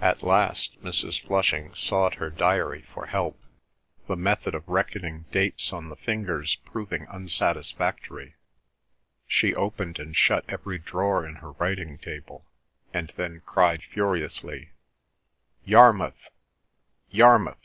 At last Mrs. Flushing sought her diary for help, the method of reckoning dates on the fingers proving unsatisfactory. She opened and shut every drawer in her writing table, and then cried furiously, "Yarmouth! Yarmouth!